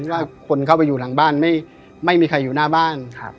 แล้วคนเข้าไปอยู่หลังบ้านไม่ไม่มีใครอยู่หน้าบ้านครับ